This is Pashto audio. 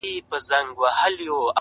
و مُلا ته’ و پاچا ته او سره یې تر غلامه’